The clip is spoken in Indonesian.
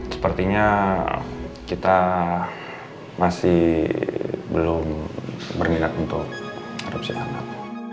sepertinya kita masih belum berminat untuk korupsi anak